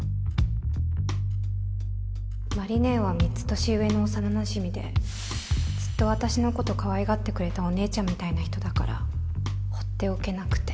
麻里姉は３つ年上の幼なじみでずっと私のことかわいがってくれたお姉ちゃんみたいな人だから放っておけなくて